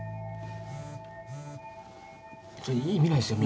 ちょ意味ないですよ耳。